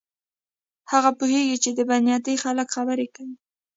هغه پوهیږي چې بد نیتي خلک خبرې کوي.